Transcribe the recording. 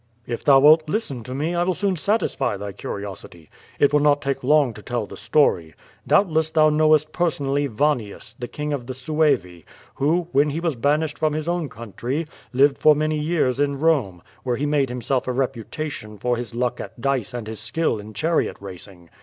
"If thou wilt listen to me, I will soon satisfy thy curiosity. It will not take long to tell the story. Doubtless thou know est personally Vannius, the king of the Suevi, who, when he was banished from his own country, lived for many years in Rome, where he made himself a reputation for his luck at dice and his skill in chariot racing.